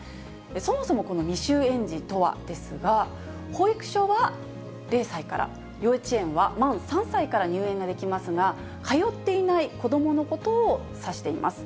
そもそもこの未就園児とはですが、保育所は０歳から、幼稚園は満３歳から入園ができますが、通っていない子どものことを指しています。